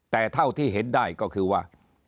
แต่เท่าที่เห็นได้ก็คือว่า